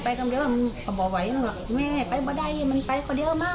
ไปป่ะดัยมันไปคือเดียวมั้ยไอ้แม่มันไปคือเดียวบ้าน